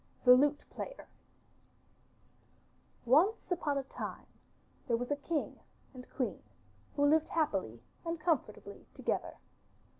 THE LUTE PLAYER Once upon a time there was a king and queen who lived happily and comfortably together.